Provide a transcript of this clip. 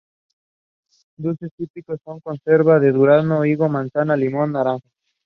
Los dulces típicos son: conserva de durazno, higo, manzana, limón y naranja.